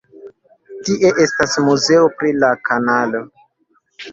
Tie estas muzeo pri la kanalo.